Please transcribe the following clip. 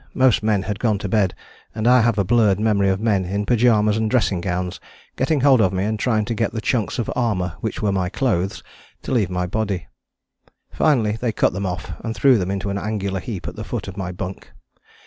Most men had gone to bed, and I have a blurred memory of men in pyjamas and dressing gowns getting hold of me and trying to get the chunks of armour which were my clothes to leave my body. Finally they cut them off and threw them into an angular heap at the foot of my bunk.